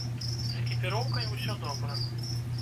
З экіпіроўкай усё добра.